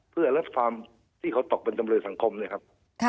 เผื่อรักภาพที่เขาตกเป็นจำแรงสังคมนะครับ